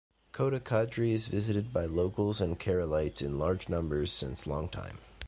Kodachadri is visited by locals and Keralites in large numbers since long time.